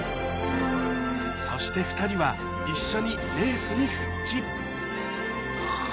そして２人は一緒にレースに復帰